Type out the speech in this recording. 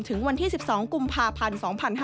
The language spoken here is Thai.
ถึงวันที่๑๒กุมภาพันธ์